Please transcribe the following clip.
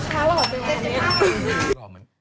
ข้ารอดเป็น๗๕บาท